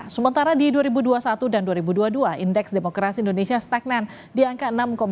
sementara di dua ribu dua puluh satu dan dua ribu dua puluh dua indeks demokrasi indonesia stagnan di angka enam dua